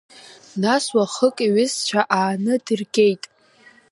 Нас уахык иҩызцәа ааны дыргеит…